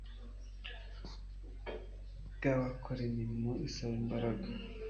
bw’abakora imirimo isaba imbaraga